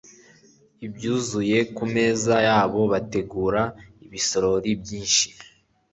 ibyuzuye ku meza yabo. Bategura ibisorori byinshi